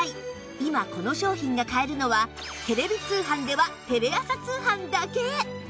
今この商品が買えるのはテレビ通販ではテレ朝通販だけ！